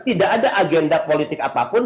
tidak ada agenda politik apapun